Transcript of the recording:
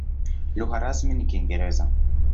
Lugha rasmi ni Kiingereza.